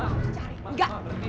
mama harus cari